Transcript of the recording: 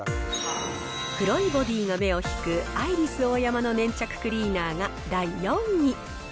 黒いボディが目を引くアイリスオーヤマの粘着クリーナーが第４位。